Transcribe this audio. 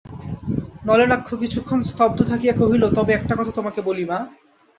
নলিনাক্ষ কিছুক্ষণ স্তব্ধ থাকিয়া কহিল, তবে একটা কথা তোমাকে বলি মা।